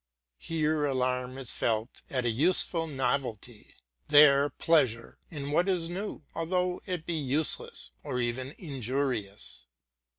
Here alarm is felt at a useful novelty; there pleasure in what is new, although it be useless, or even injurious.